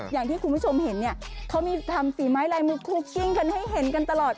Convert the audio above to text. อย่างที่คุณผู้ชมเห็นเนี่ยเขามีทำฝีไม้ลายมือคุกกิ้งกันให้เห็นกันตลอด